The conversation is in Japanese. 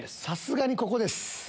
さすがにここです。